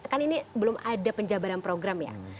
kan ini belum ada penjabaran program ya